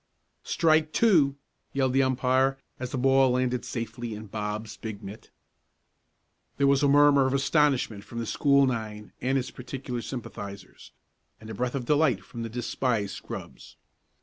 "Strike two!" yelled the umpire, as the ball landed safely in Bob's big mitt. There was a murmur of astonishment from the school nine and its particular sympathizers, and a breath of delight from the despised scrubs.